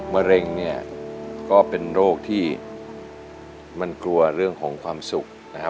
มะเร็งเนี่ยก็เป็นโรคที่มันกลัวเรื่องของความสุขนะครับ